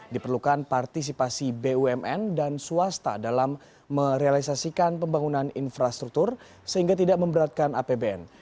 diperlukan partisipasi bumn dan swasta dalam merealisasikan pembangunan infrastruktur sehingga tidak memberatkan apbn